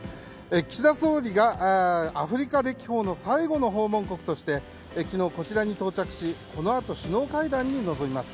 岸田総理がアフリカ歴訪の最後の訪問国として昨日、こちらに到着しこのあと首脳会談に臨みます。